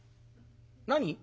「何？